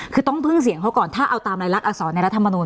คือต้องพึ่งเสียงเขาก่อนถ้าเอาตามรายลักษรในรัฐมนุน